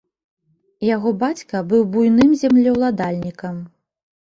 Яго бацька быў буйным землеўладальнікам.